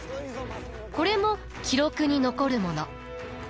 これも記録に残るもの。